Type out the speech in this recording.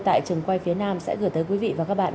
tại trường quay phía nam sẽ gửi tới quý vị và các bạn